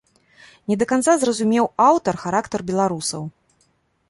Не да канца зразумеў аўтар характар беларусаў.